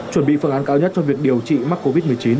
chuẩn bị phương án cao nhất cho việc điều trị mắc covid một mươi chín